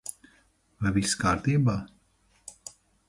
Vai viss kārtībā?